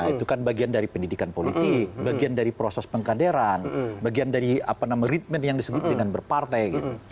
itu kan bagian dari pendidikan politik bagian dari proses pengkaderan bagian dari apa namanya ritmen yang disebut dengan berpartai